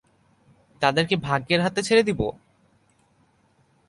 তাদেরকে ভাগ্যের হাতে ছেড়ে দিবো?